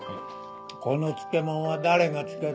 この漬物は誰が漬けた？